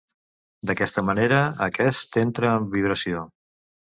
D'aquesta manera, aquest entra en vibració.